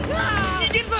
逃げるぞ！